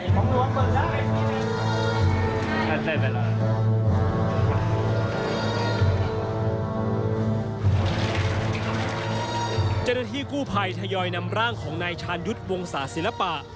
เจ้าหน้าที่กู้ภัยทยอยนำร่างของนายชาญยุทธ์วงศาศิลปะ